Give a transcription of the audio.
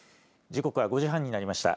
時刻は５時半になりました。